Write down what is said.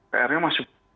pr nya masuk